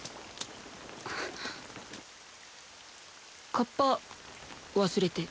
カッパ忘れて。